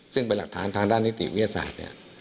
ซึ่งเป็นหลักฐานทางด้านนิติวิทยาศาสตร์เนี่ย